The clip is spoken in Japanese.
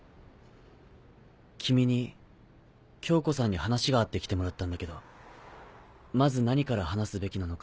君に恭子さんに話があって来てもらったんだけどまず何から話すべきなのか。